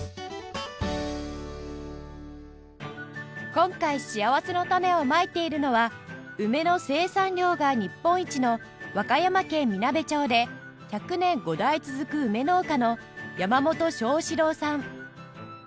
今回しあわせのたねをまいているのは梅の生産量が日本一の和歌山県みなべ町で１００年５代続く梅農家の山本将志郎さん